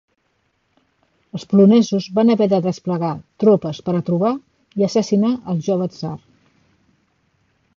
Els polonesos van haver de desplegar tropes per a trobar i assassinar al jove tsar.